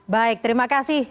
baik terima kasih